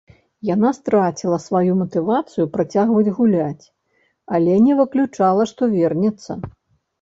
Яна страціла сваю матывацыю працягваць гуляць, але не выключала, што вернецца.